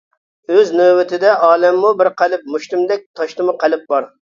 ئۆز نۆۋىتىدە ئالەممۇ بىر قەلب، مۇشتۇمدەك تاشتىمۇ قەلب بار.